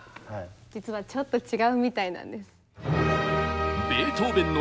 実はちょっと違うみたいなんです。